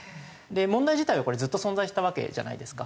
問題自体はずっと存在したわけじゃないですか。